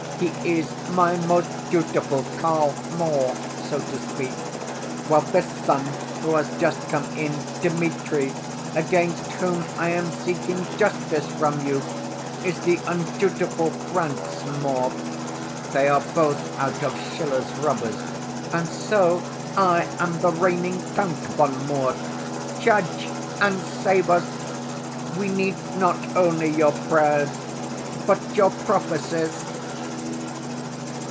He is my most dutiful Karl Moor, so to speak, while this son who has just come in, Dmitri, against whom I am seeking justice from you, is the undutiful Franz Moor—they are both out of Schiller's Robbers, and so I am the reigning Count von Moor! Judge and save us! We need not only your prayers but your prophecies!"